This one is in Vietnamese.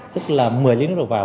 tức là một mươi lít nước độ vào